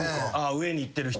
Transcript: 上にいってる人ね。